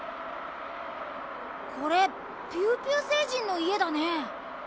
これピューピューせいじんのいえだね。